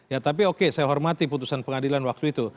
ya tapi oke saya hormati putusan pengadilan waktu itu